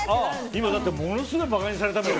今、だってものすごい馬鹿にされたよ。